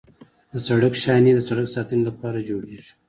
د سړک شانې د سړک د ساتنې لپاره جوړیږي